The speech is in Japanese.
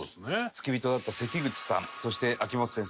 付き人だった関口さんそして秋元先生